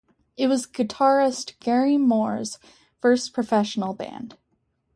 It was guitarist Gary Moore's first professional band.